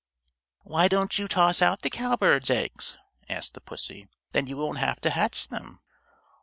"Why don't you toss out the cowbird's eggs?" asked the pussy. "Then you won't have to hatch them."